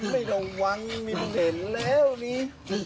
มันไม่ต้องวางมิดเห็นแล้วนี่